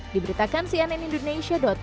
diberitakan cnn indonesia